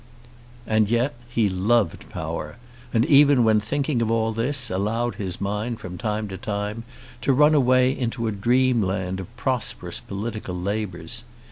And yet he loved power, and even when thinking of all this allowed his mind from time to time to run away into a dreamland of prosperous political labours.